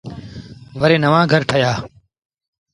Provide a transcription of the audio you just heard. وري نوآن گھر ٺآهيآ۔